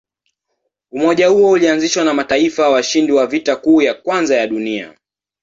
Umoja huo ulianzishwa na mataifa washindi wa Vita Kuu ya Kwanza ya Dunia.